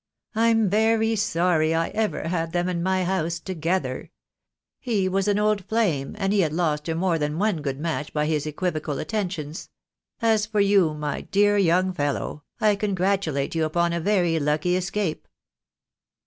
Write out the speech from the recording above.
I'm very sorry I ever had them in my house together. He was an old flame, and he had lost her more than one THE DAY WILL COME. 3 I good match by his equivocal attentions. As for you, my dear young fellow, I congratulate you upon a very lucky escape."